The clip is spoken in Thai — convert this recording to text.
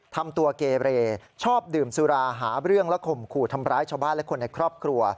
ทำตัวเกเรชอบดื่มสุราหาเรื่องและข่มขู่ทำร้ายชาวบ้านและคนในครอบครัว